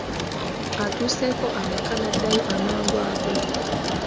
Atuuseeko awaka n’addayo amangu ago.